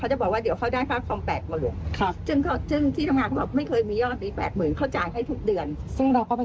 หมายถึงในเฟซใช่ไหมครับแม่